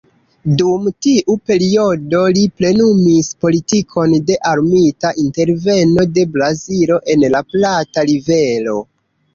Dum tiu periodo li plenumis politikon de armita interveno de Brazilo en la Plata-Rivero.